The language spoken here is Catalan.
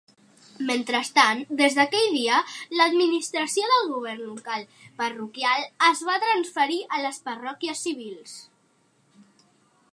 Mentrestant, des d'aquell dia l'administració del govern local parroquial es va transferir a les parròquies civils.